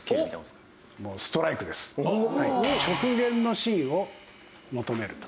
直言の臣を求めると。